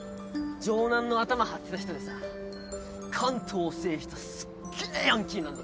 城南のアタマはってた人でさ関東を制したすっげえヤンキーなんだぜ。